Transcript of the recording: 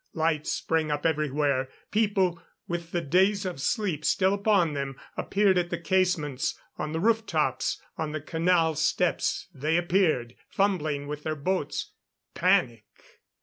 Lights sprang up everywhere. People with the daze of sleep still upon them appeared at the casements; on the roof tops; on the canal steps they appeared, fumbling with their boats. Panic!